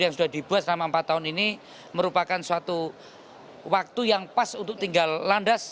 yang sudah dibuat selama empat tahun ini merupakan suatu waktu yang pas untuk tinggal landas